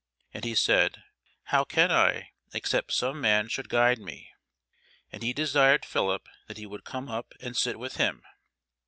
And he said, How can I, except some man should guide me? And he desired Philip that he would come up and sit with him.